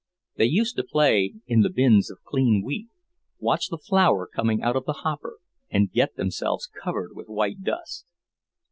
They used to play in the bins of clean wheat, watch the flour coming out of the hopper and get themselves covered with white dust.